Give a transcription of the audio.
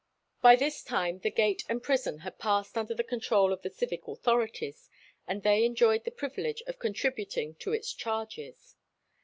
By this time the gate and prison had passed under the control of the civic authorities, and they enjoyed the privilege of contributing to its charges.